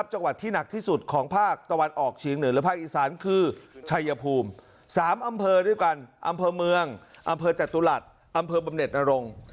ชัยภูมิ๓อำเภอด้วยกันอำเภอเมืองอำเภอจตุลัดอำเภอบำเน็ตนรงค์